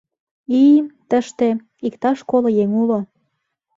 И-и-и, тыште-е... иктаж коло еҥ уло...